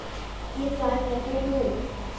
วี้ดว้ายกระตู้วู้